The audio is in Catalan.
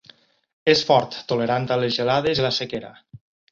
És fort, tolerant a les gelades i la sequera.